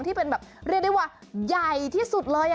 ที่เป็นแบบเรียกได้ว่าใหญ่ที่สุดเลย